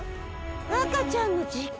和歌ちゃんの実家？